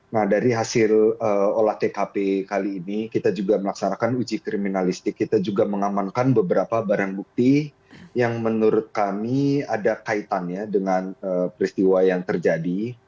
nah dari hasil olah tkp kali ini kita juga melaksanakan uji kriminalistik kita juga mengamankan beberapa barang bukti yang menurut kami ada kaitannya dengan peristiwa yang terjadi